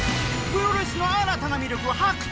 プロレスの新たな魅力を発掘